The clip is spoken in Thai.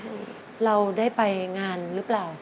เดี๋ยวนะเราได้ไปงานหรือเปล่า